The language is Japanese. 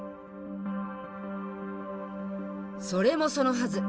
それもそのはず。